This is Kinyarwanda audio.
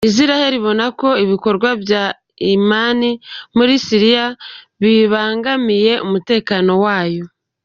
Isiraheli ibona ko ibikorwa bya Irani muri Syria bibangamiye umutekano wayo.